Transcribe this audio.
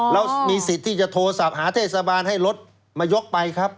แล้วมีสิทธิ์ที่จะโทรศัพท์หาเทศบาลให้รถมายกไปครับ